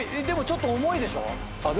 でもちょっと重いでしょ？